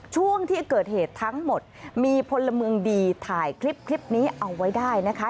ช่วงที่เกิดเหตุทั้งหมดมีพลเมืองดีถ่ายคลิปนี้เอาไว้ได้นะคะ